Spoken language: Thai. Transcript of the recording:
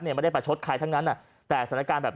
ไม่ได้ประชดใครทั้งนั้น